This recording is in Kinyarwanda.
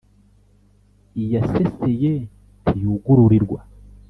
Iyaseseye ntiyugururirwa.